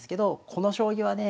この将棋はね